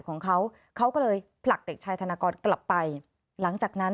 ของเขาเขาก็เลยผลักเด็กชายธนากรกลับไปหลังจากนั้น